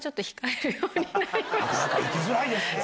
なかなか行きづらいですよね。